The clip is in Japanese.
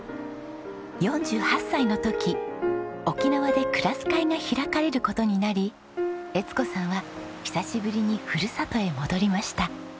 ４８歳の時沖縄でクラス会が開かれる事になり江津子さんは久しぶりにふるさとへ戻りました。